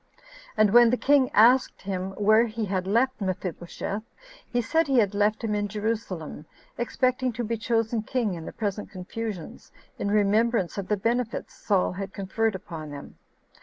And when the king asked him where he had left Mephibosheth, he said he had left him in Jerusalem, expecting to be chosen king in the present confusions, in remembrance of the benefits Saul had conferred upon them.